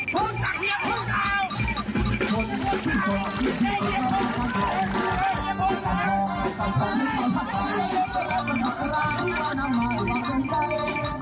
กลับไป